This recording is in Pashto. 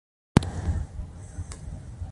پناه ځای له موږ څخه څو سوه قدمه وړاندې و